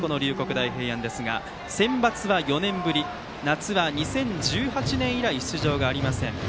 大平安ですがセンバツは４年ぶり夏は２０１８年以来出場がありません。